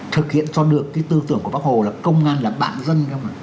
thực hiện cho được cái tư tưởng của bác hồ là công an là bạn dân đâu